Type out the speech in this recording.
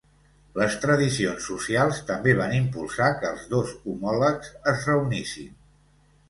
Les tradicions socials també van impulsar que els dos homòlegs es reunissin.